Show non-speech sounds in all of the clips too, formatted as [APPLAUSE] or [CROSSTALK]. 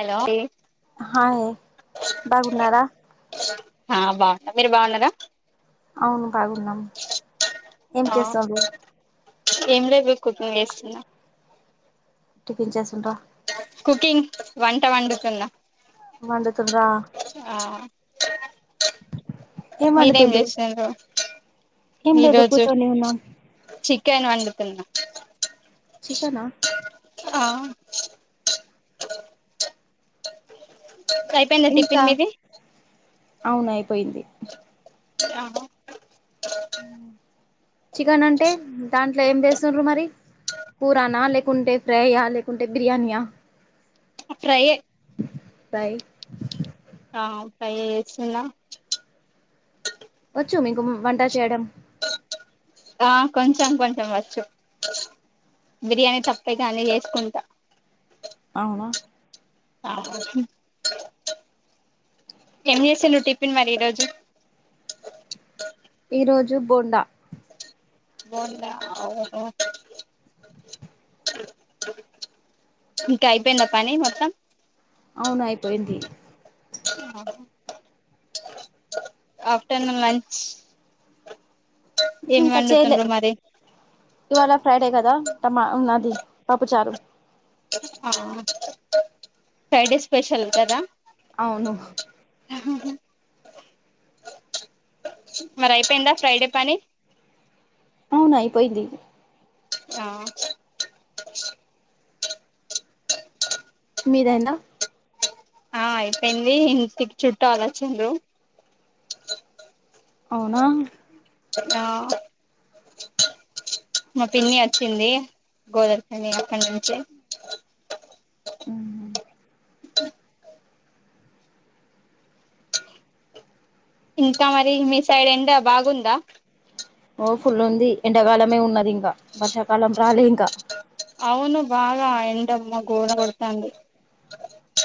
Hello hi బాగున్నారా ఆ బాగున్నా మీరు బాగున్నారా అవును బాగున్నం ఏం ఆ చేస్తాంది కొత్తగ చేస్తున్నా టిఫన్ చేసిర్రా కుకింగ్ వంట వండుతున్న మండతుడదా ఏం మీరేం వండుతుండ్రు చేస్తున్నారు ఏం లేదు కూర్చోనే ఉన్నాం కెన్ వండుతున్నా చికనా ఆ ప్పుడ్ అయిపోయిందా ఇంకా టిఫిన్ మీది అవును అయిపోయిద్ది ఆ చికెన్ అంటే దాన్ ఇట్లా ఏం చేస్తుండ్ర మరి కూరానా లేకుంటే ఫ్రైయా లేకుంటే బిర్యానీయా ఫ్రై ఫ్రై ఆ ఫ్రై ఏ చేస్తున్న వచ్చు మీకు వంట చేయడం ఆ కొంచెం కొంచెం వచ్చు బిర్యానీ తప్ప ఇగ అన్ని చేసుకుంటా అవునా అ ఏం చేసిల్లు టిఫిన్ మరి ఈ రోజు ఈ రోజు బోండా బోండా అ వో ఇంకా అయిపోయిందా పని మొత్తం అవును అయిపోయింది ఆ ఆఫ్టర్నూన్ లంచ్ ఏం ఇంకా చేయలే వండుతుండ్రు మరి ఇవాళ ఫ్రైడే కదా త మా నాది పప్పు చారు అవున ఫ్రైడే స్పెషల్ కదా అవును ఆ మరి అయిపోయిందా ఫ్రైడే పని అవును అయిపోయింది ఆ మీది అయిందా ఆ అయిపోయింది ఇంటికి చుట్టాలు అచిన్లు అవునా ఆ మా పిన్ని వచ్చింది గోదరిఖని అక్కడి నుంచి ఇంకా మరి మీ సైడ్ ఎండా బాగుంద ఓ ఫుల్ ఉంది ఎండాకాలమే ఉన్నది ఇంకా వర్షాకాలం రాలే ఇంకా అమ్మో ఘోర కొడతాంది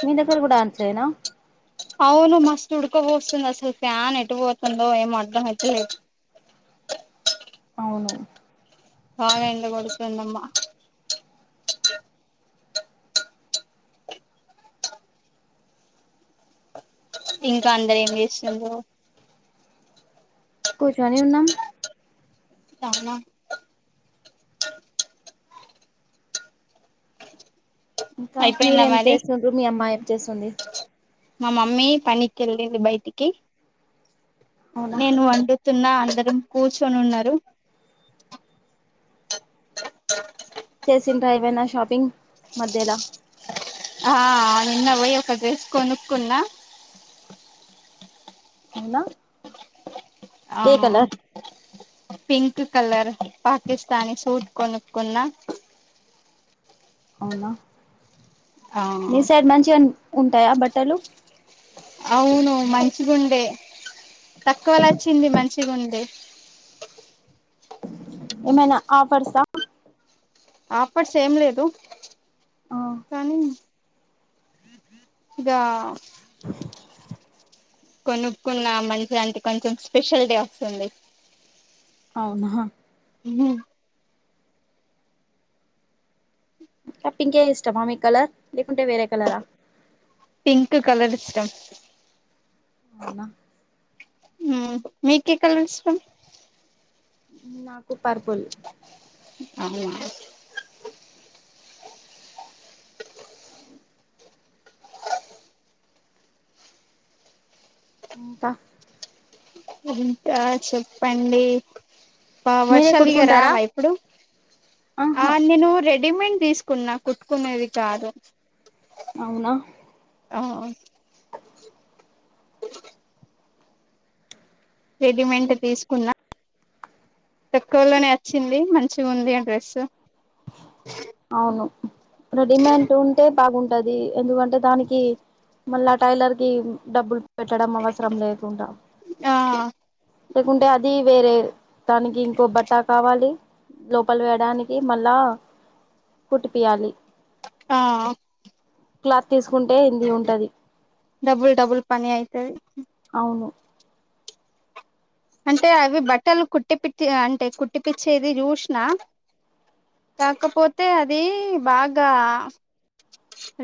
మీ దగ్గర కూడా అంతేనా అవును మస్తు ఉడుకబస్తుంది అసలు ఫ్యాన్ ఎటు పోతుందో ఏం అర్థమైతలేదు అవును బాగా ఎండ కొడుతుదమ్మా ఇంకా అందరు ఏం చేస్తున్నారు కూర్చొని ఉన్నాం అవునా ఇంకా అయిపోయిందా మీరేం మరి చేస్తుండ్రు మీ అమ్మాయి ఏం చేస్తుంది మా మమ్మీ పనికి వెళ్ళింది బయటికి అవునా నేను వండు కూన్నా అందరు కుచ్చోని ఉన్నారు. చేసినంర్రా ఏమైనా షాపింగ్ మధ్యలా. ఆ నిన్న వోయి ఒక డ్రెస్ కొనుక్కున్నా. అవునా. ఆ. ఏ colour pink colour Pakistani suit కొనుకున్నా. అవునా ఆ మీ సైడ్ మంచి నే ఉంటాయా బట్టలు. అవును మంచిగుండే. తక్కొనే అచ్చింది మంచిగుందీ. ఏమనా ఆఫర్సా. ఆపట్స్ ఎం లేదు ఆ కానీ. ఇదా. కొనుక్కున్న మంచి అంటే కొంచం స్పెషల్ డే అస్తుంది. అవునా హ. ఉహు. అ పింకే ఇష్టమా మీక్ కలర్ లేకుంటే వేరే కలరా. పింక్ కలర్ ఇష్టం. అవునా. ఉమ్ మీకె కలర్ ఇష్టం. నాకు పర్పుల్. అవునా. ఇంకా. ఇంకా చెప్పండి. పా మీరే వర్షాలీగ కుట్టుకుంటారా రావా ఇప్పుడు ఆ ఆహా నేను రె. రెడీమేట్ తీసుకున్నా కుట్టుకునేది కాదు. అవునా. ఆవ్ అం. రెడీమెంట్ తీసుకున్న. తక్కువలోనే అచ్చింది మంచిగుంది ఆ డ్రెస్సు. అవును రెడీమేట్ ఉంటే. బాగుంటది ఎందుకంటే దానికి మళ్ళా టైలర్ కీ ఉ డబ్బులు. పెట్టడం అవసరం లేకుండా. ఆ లేకుంటే అది వేరే దానికి ఇంకో బట్టా కావాలి లోపల వేయడానికి. మళ్ళా కుట్టిపియాలి. ఆఅ. క్లాత్ తీసుకుంటే ఇంది ఉంటది. డబుల్ డబుల్ పని అయితది. అవును. అంటే అవి బట్టలు కుట్టి పిట్టి అంటే కుట్టి పిచ్చేది జూషిన. కాకపోతే అదీ బాగా.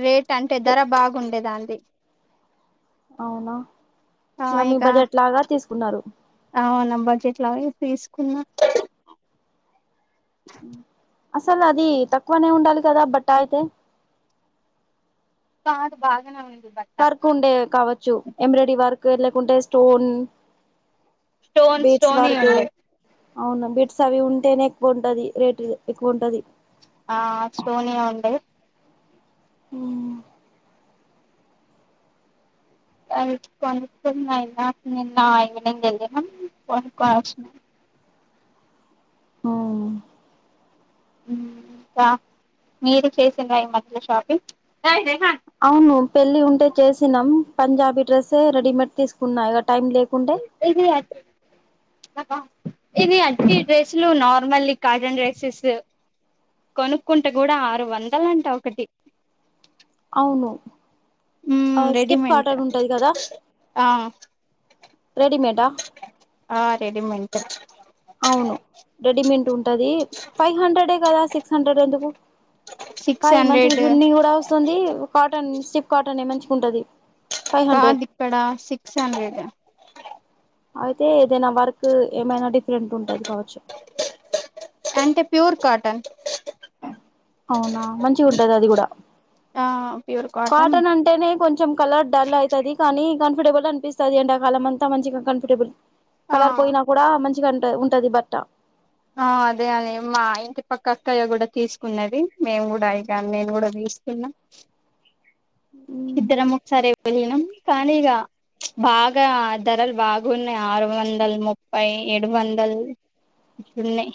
రేట్ అంటే ధర బాగుండే దాన్ది. అవునా ఆ ఇగ మీ బడ్జెట్ లాగా తీసుకున్నారు. అవు నా బజెట్లాగానే తీసుకున్నా. అసలు అది తక్కువనే ఉండాలి కదా బట్ ఆయితే కాదు బాగనే ఉన్ వర్క్ ఉండే కావచ్చు ఎంబ్రాయిడర వర్క్ ఎ లేకుంటే స్టోన్ స్టోన్ బేట్స్ స్టోన్ వార్కు ఉండే అవును బిడ్స్ అవి ఉంటేనే ఎక్కువ ఉంటది రేట్ ఎక్కువ ఉంటది ఆ స్టోనియా ఉంటయ్ ఊ [UNINTELLIGIBLE] నిన్న ఈవెనింగ్ ఎళ్ళినం కొనుక్కొని అచ్చినా అవును ఉమ్ కా మీరు చేసిండ్రా ఈ మధ్యలో షాపింగ్ అవును పెళ్ళి ఉంటే చేసినం పంజాబీ డ్రెస్సే రెడీమేడ్ తీసుకున్నా ఇగ టైం లేకుంటే ఇది ఇది అటికి డ్రెస్సులు నార్మల్లీ కాటన్ డ్రెస్సెస్ కొనుక్కుంటే కూడా ఆరు వందలంట ఒకటి అవును ఔ మ్మ్ స్టిప్ రెడీమేంట్ కాటన్ ఉంటాది కదా ఆ రెడీమేడా ఆ రెడిమెంట్ అవును రెడీమెంట్ ఉంటది ఫైవ్ హండ్రెడే కదా సిక్స్ హండ్రెడ్ ఎందుకు సిక్స్ ఫై మంచిగా హండ్రెడ్ చున్నీ కూడా వస్తుంది కాటన్ స్టిప్ కాటన్ యే మంచిగుంటది కాదు ఇక్కడ సిక్స్ హండ్రెడ్ అయితే ఏదైనా వర్క్ ఏమైనా డిఫ్ ఫ్రెంట్ ఉంటది కావచ్చు అంటే ప్యూర్ కాటన్ అవునా మంచిగా ఉంటది అది కూడా ఆ ప్యూర్ కాటన్ అంటేనే కొంచెం కలర్ డల్ ఐతది కానీ కంఫర్టబుల్ అనిపిస్తది ఎండా కాలం అంతా మంచిగా కంఫర్టబుల్ ఆ కలర్ పొయ్యినా కూడా మంచి చి గంట ఉంటది బట్ట ఆ అదే అది మా ఇంటి పక్క అక్కయ్య కూడా తీసుకున్నది మేం కూడా ఇక నేను కూడా ది ఇస్కున్నా ఇద్దరం ఒకసారే వెళ్ళినం కానీ ఇగ బాగా ధరల్ బాగున్నయి ఆ ఆరు వందలు ముప్పై ఏడు వందల్ ఉన్నయ్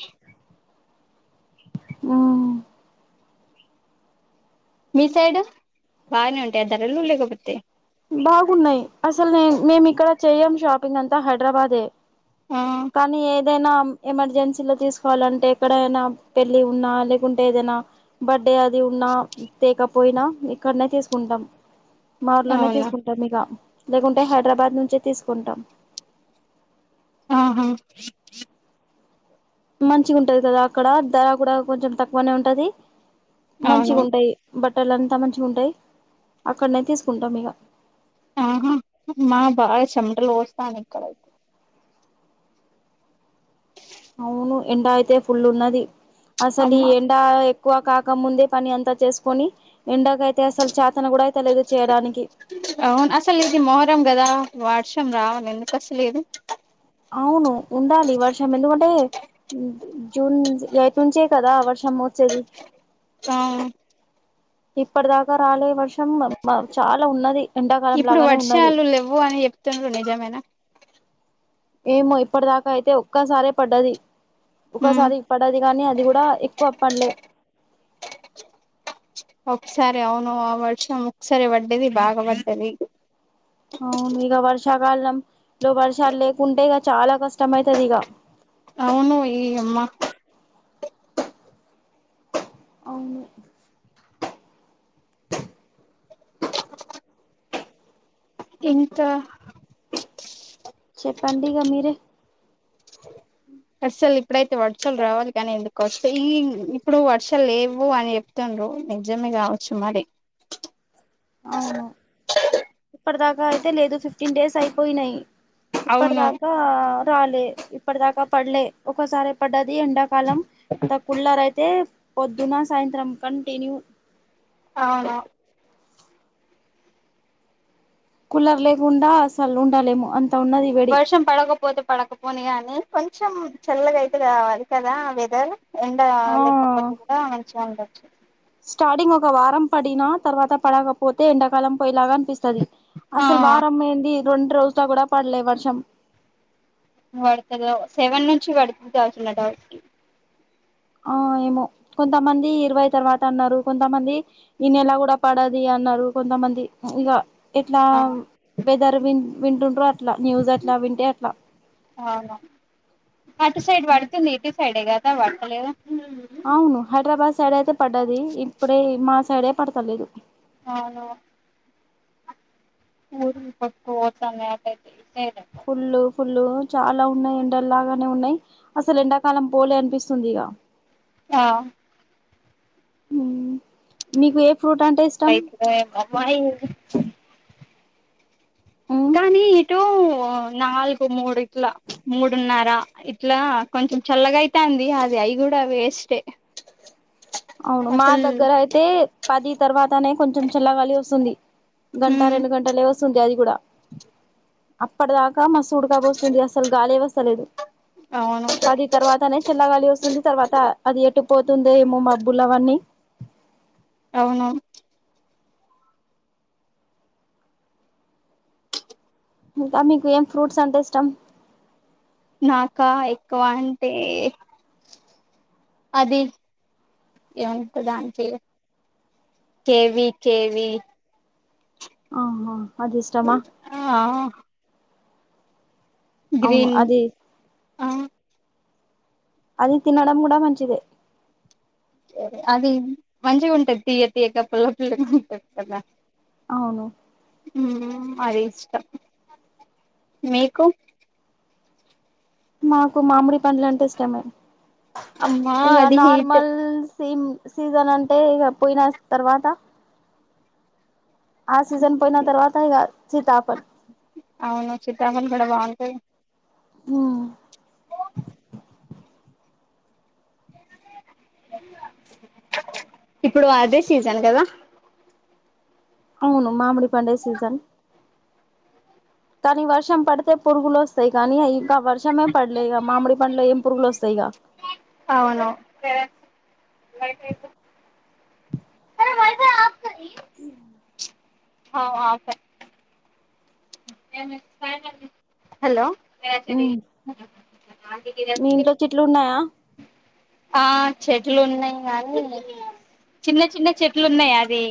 ఆ మీ సైడు బాగనే ఉంటాయా ధరలు లేకపోతే బాగున్నాయి అసలు నేన్ మేం ఇక్కడ చెయ్యం షాపింగ్ అంతా హైడ్రాబాదే ఆ కానీ ఏ దైనా ఎమర్జెన్సీలో తీసుకోవాలంటే ఎక్కడైనా పెళ్ళి ఉన్నా లేకుంటే ఏదైనా బడ్ డే అది ఉన్నా తేకపోయినా ఇక్కడనే తీసుకుంటాం మా ఊర్లనే అవునా తీసుకుంటాం ఇక లేకుంటే హైడ్రాబాద్ నుంచే తీసుకుంటాం ఆహా మంచిగా ఉంటది కదా అక్కడ ధర కూడా కొంచెం తక్కువనే ఉంటది అవును మంచిగుంటాయి బట్టలు అంతా మంచిగుంటాయి అక్కడనే తీసుకుంటాం ఇగ ఆహా మా బాగా చెమటలు పోస్తానయ్ ఇక్కడైతే అవును ఎండ అయితే ఫుల్ ఉన్నది అసలు ఈ అమ్మా ఎండాయ్ క్కువ కాక ముందే పని అంతా చేసుకొని ఎండకు అయితే అసలు చా అవును అసలు ఇది మొహరం గదా వర్షం రావాలి ఎందుకొస్త లేదు అవును ఉండాలి వర్షం ఎందుకంటే జూన్ ఎయిట్ నుంచే కదా వర్షమోచేదీ ఆ ఇప్పటి దాకా రాలే వర్షం చాలా ఉన్నది ఎండాకాలం లాగానే ఉన్నది నేజామేనా ఏమో ఇప్పటి దాకా అయితే ఒక్కసారే పడ్డది ఉమ్ ఒక్కసారి పడ్డది కానీ అది అది కూడా ఎక్కువ పల్లే ఒకసారి అవును ఆ వర్షం ఒకసారేవడ్డది బాగవడ్డది కాలంలో వర్షాలు లేకుంటే ఇక చాలా కష్టం అయితది ఇగా అవును ఏయ్య అమ్మా అవును ఇంకా చెప్పండి ఇగా మీరే అస్సలు ఇప్పుడైతే వర్షాలు రావాలి కానీ ఎందుకు వస్తే ఈ ఇప్పుడు వర్షాలు లేవు అని చెప్తుంది నిజమే కావచ్చు మరి అవును ఇప్పటి దాకా అయితే లేదు ఫిఫ్టీన్ డేస్ అయిపోయినాయి ఇప్పటి అవును దాకా రాలే ఇప్పటి దాకా పడలే ఒకసారి పడ్డది ఎండాకాలం అ కుళ్లర్ అయితే పొద్దున సాయంత్రం కంటిన్యూ అవునా కులర్ లేకుండా అసలు ఉండాలేము అం వర్షం పడగపోతే పడకపోని కాగానీ కొంచెం చల్లగా అయితే కావాలి కదా వెదర్ ఎండ ఆ లేకపోతే కూడా మంచిగా ఉండచ్చు స్టార్టింగ్ ఒక వారం పడినా తర్వాత పడకపోతే ఎండాకాలం పోయేలాగా అనిపిస్తది ఆ అసలు వారం ఏంది రెండు రోజుల కూడా పడలే వర్షం వడుతుంది సెవెన్ నుంచి వడుతది కావచ్చు నా డౌట్ కి ఆ ఏమో కొంతమంది ఇరవై తర్వాత అన్నారు కొంతమంది ఈ నెల కూడా పడది ఆ అన్నారు కొంతమంది ఇగ ఆ ఎట్లా ఆ వెదర్ వి వింటుండ్రో అట్లా న్యూస్ అట్లా వింటే అట్లా అవునా అటు సైడ్ పడుతుంది ఇటు సైడే కదా పడతలేదు అవును హైదరాబాద్ సైడ్ అయితే పడ్డది ఇప్పుడే మా సైడే పడత లేదు అవును ఊర్లు కొట్టుక పోతున్నాయి అటు ఐతే ఫుల్ ఫుల్లు చాలా ఉన్నాయి ఎండలాగానే ఉన్నాయి అసలు ఎండాకాలం పోలే అనిపిస్తుంది ఇగా ఆ హ్మ్మ్ మీకు ఏ ఫ్రూట్ అంటే ఇష్టం ఎప్పుడైతదో ఏమో మరి ఉమ్ కానీ ఇటు నాలుగు మూడు ఇట్లా మూడున్నర ఇట్లా కొ కొంచెం చల్లగా అయితంది అది అయి కూడా వెస్ట్ అవును మా దగ్గర అయితే పది తర్వాతనే కొంచెం చల్లగాలి వస్తుంది గంట ఉమ్ రెండు గంటలే వస్తుంది అది కూడా అప్పటి దాకా ఇంకా మస్త్ ఉండకపోస్తుంది అసలు గాలే వస్తలేదు అవును పది తర్వాతనే చల్లగాలి వస్తుంది తర్వాత అది ఎటు పోతుందేమో మబ్బులు అవన్నీ అవును ఇంకా మీకు ఏం ఫ్రూట్స్ అంటే ఇష్టం నాకా ఎక్కువ అంటే అది ఏమంటారు దానిచే కేవి కేవి ఆహా అది ఇష్టమా ఆహ అవును గ్రీన్ అది ఆ అది తినడం కూడా మంచిదే అది మంచిగుంటది తీయ్య తీయగ పుల్ల పుల్లగా ఉంటది కదా అవును ఉమ్మ్ అది ఇష్టం మీకు మాకు మామిడిపండ్లంటే ఇష్టమే అమ్మా ఇగ అది హీట్ నార్మల్ సేమ్ సీజన్ అంటే ఇగ పోయిన తర్వాత ఆ సీజన్ పోయినా తర్వాత ఇగ సీతాఫల్ అవునా సీతాఫల్ కూడా బాగుంటది ఉమ్మ్ ఇప్పుడు అదే సీజన్ కదా అవును మామిడిపండే సీజన్ కానీ వర్షం పడితే పురుగులు వస్తాయి కానీ ఇంకా వర్షమే పడలే ఇగ మామిడి పండ్లో ఏం పురుగులు వస్తాయి ఇగ అవును మఫ హలో మీ ఇంట్లో చెట్లు ఉన్నాయా ఆ చెట్లు ఉన్నాయి గానీ చిన్న చిన్న చెట్లు ఉన్నాయి అది